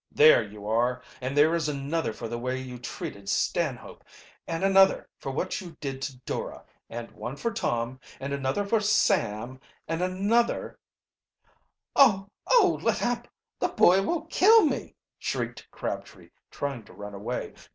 "There you are! And there is another for the way you treated Stanhope, and another for what you did to Dora, and one for Tom, and another for Sam, and another " "Oh! oh! let up! The boy will kill me!" shrieked Crabtree, trying to run away.